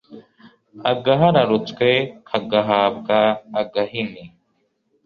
agahararutswe kagahabwa agahini